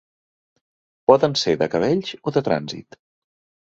Poden ser de cabells o de trànsit.